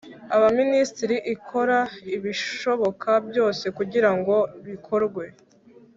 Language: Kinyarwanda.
Abaminisitiri ikora ibishoboka byose kugira ngo bikorwe